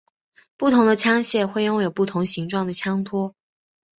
不同的枪械会拥有不同形状的枪托。